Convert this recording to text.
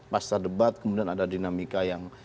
pas ada debat kemudian ada dinamika yang